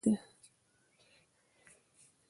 په بدو کي د ښځو ورکول د ټولني لپاره خطرناک دود دی.